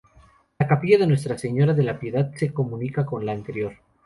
La capilla de Nuestra Señora de la Piedad se comunica con la anterior.